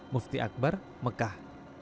mufti akbar mekah